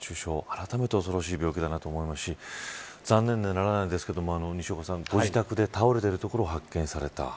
あらためて恐ろしい病気だと思いますし残念でならないですけど西岡さん、ご自宅で倒れているところを発見された。